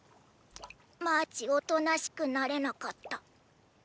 マーチ大人しくなれなかった。